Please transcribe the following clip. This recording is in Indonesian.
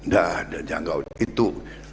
dah jangan gak udah itu